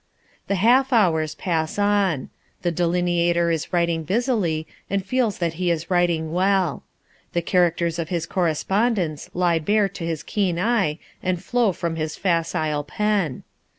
The half hours pass on. The delineator is writing busily and feels that he is writing well. The characters of his correspondents lie bare to his keen eye and flow from his facile pen.